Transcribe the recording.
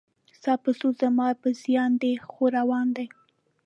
ستا په سود زما په زیان دی خو روان دی.